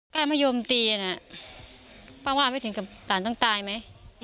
ไอ้มะยมตีน่ะป้าว่าไม่ถึงกับหลานต้องตายไหม